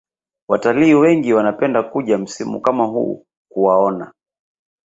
Watalii wengi wanapenda kuja msimu kama huu kuwaona